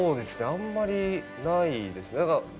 あんまりないですね。